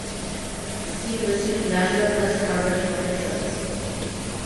The team received national press coverage for the trip.